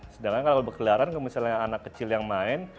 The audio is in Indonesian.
sedangkan kalau berkeliaran misalnya anak kecil yang main